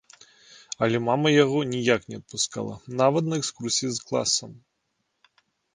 Але мама яго ніяк не адпускала нават на экскурсіі з класам.